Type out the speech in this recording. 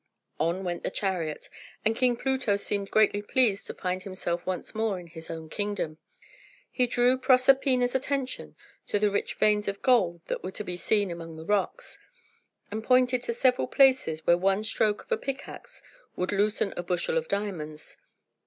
On went the chariot, and King Pluto seemed greatly pleased to find himself once more in his own kingdom. He drew Proserpina's attention to the rich veins of gold that were to be seen among the rocks, and pointed to several places where one stroke of a pickaxe would loosen a bushel of diamonds.